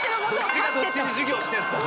どっちがどっちに授業してんすか。